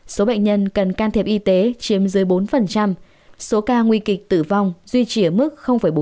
số bệnh nhân cần can thiệp y tế chiếm dưới bốn số ca nguy kịch tử vong duy trì ở mức bốn